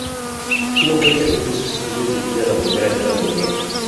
Tuvo que interrumpir sus estudios debido a la Primera Guerra Mundial.